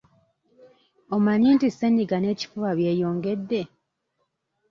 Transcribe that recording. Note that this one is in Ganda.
Omanyi nti ssenyiga n'ekifuba byeyongedde?